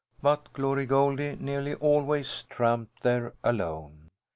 But Glory Goldie nearly always tramped there alone.